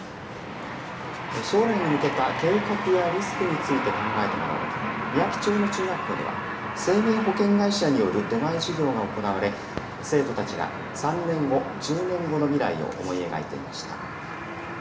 将来に向けた計画やリスクについて考えてもらおうとみやき町の中学校では生命保険会社による出前授業が行われ生徒たちが３年後１０年後の未来を思い描いていました。